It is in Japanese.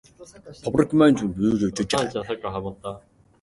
パブリックドメインの文章を追加しました。